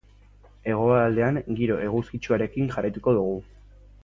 Hegoaldean giro eguzkitsuarekin jarraituko dugu.